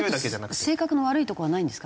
性格の悪いところはないんですか？